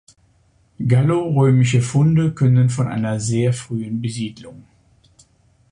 Gallorömische Funde künden von einer sehr frühen Besiedelung.